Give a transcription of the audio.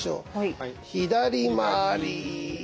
左回り。